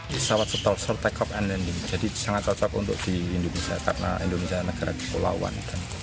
pesawat stol short take off and landing jadi sangat cocok untuk di indonesia karena indonesia negara kepulauan